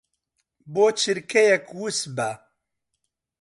بۆ چرکەیەک وس بە.